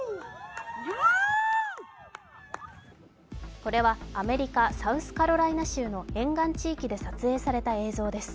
これはアメリカ・サウスカロライナ州の沿岸地域で撮影された映像です。